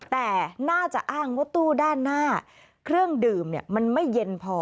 แต่น่าจะอ้างว่าตู้ด้านหน้าเครื่องดื่มมันไม่เย็นพอ